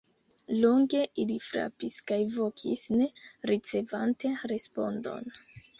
Longe ili frapis kaj vokis, ne ricevante respondon.